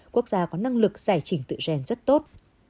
quốc gia có năng lực giải trình tự gen rất tốt